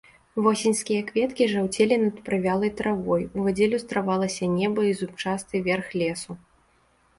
Восеньскія кветкі жаўцелі над прывялай травой, у вадзе люстравалася неба і зубчасты верх лесу.